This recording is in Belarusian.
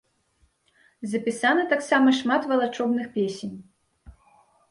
Запісана таксама шмат валачобных песень.